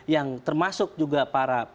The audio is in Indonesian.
yang termasuk juga para